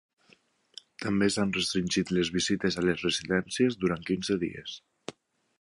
També s’han restringit les visites a les residències durant quinze dies.